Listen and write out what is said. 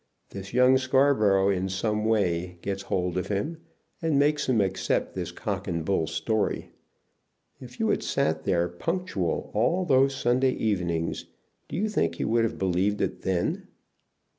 This young Scarborough in some way gets hold of him, and makes him accept this cock and bull story. If you had sat there punctual all those Sunday evenings, do you think he would have believed it then?"